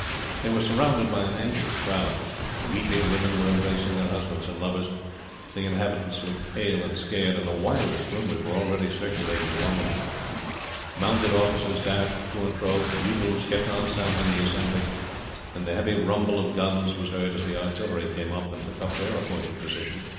They were surrounded by an anxious crowd. Weeping women were embracing their husbands and lovers; the inhabitants looked pale and scared, and the wildest rumors were already circulating among them; mounted officers dashed to and fro, bugles kept on sounding the assembly; and the heavy rumble of guns was heard as the artillery came up and took up their appointed position.